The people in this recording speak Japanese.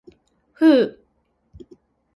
ふう。